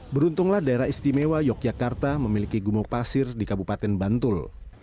beruntunglah daerah istimewa yogyakarta memiliki gumuk pasir di kabupaten bantul